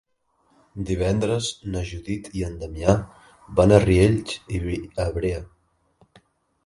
Divendres na Judit i en Damià van a Riells i Viabrea.